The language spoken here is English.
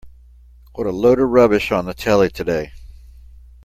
What a load of rubbish on the telly today.